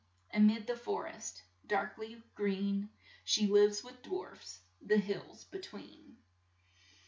A mid the for est, dark ly green, She lives with dwarfs — the hills be tween."